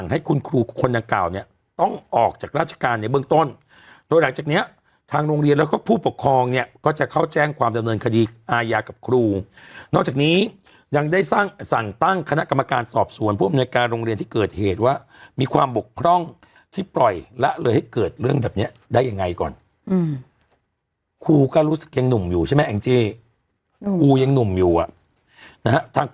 ให้คุณครูคนดังกล่าวเนี่ยต้องออกจากราชการในเบื้องต้นโดยหลังจากเนี้ยทางโรงเรียนแล้วก็ผู้ปกครองเนี่ยก็จะเข้าแจ้งความดำเนินคดีอาญากับครูนอกจากนี้ยังได้สร้างสั่งตั้งคณะกรรมการสอบสวนผู้อำนวยการโรงเรียนที่เกิดเหตุว่ามีความบกพร่องที่ปล่อยละเลยให้เกิดเรื่องแบบนี้ได้ยังไงก่อนครูก็รู้สึกยังหนุ่มอยู่ใช่ไหมแองจี้ครูยังหนุ่มอยู่อ่ะนะฮะทาง